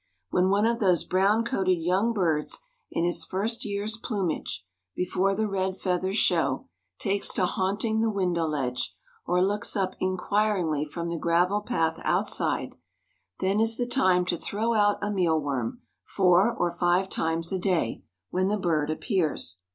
When one of those brown coated young birds in his first year's plumage (before the red feathers show) takes to haunting the window ledge, or looks up inquiringly from the gravel path outside, then is the time to throw out a mealworm, four or five times a day, when the bird appears.